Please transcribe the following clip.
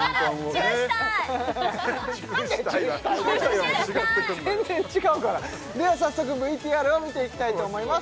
チューしたい全然違うからでは早速ＶＴＲを見ていきたいと思います